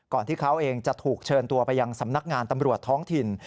ที่เขาเองจะถูกเชิญตัวไปยังสำนักงานตำรวจท้องถิ่น